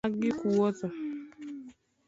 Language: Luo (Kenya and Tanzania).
Mag gik wuotho